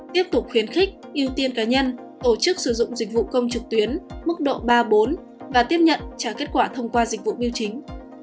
tiếp tục khuyến khích ưu tiên cá nhân tổ chức sử dụng dịch vụ công trực tuyến mức độ ba bốn và tiếp nhận trả kết quả thông qua dịch vụ biêu chính